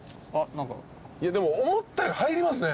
思ったより入りますね。